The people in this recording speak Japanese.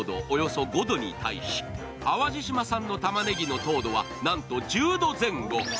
およそ５度に対し淡路島産のたまねぎの糖度はなんと１０度前後。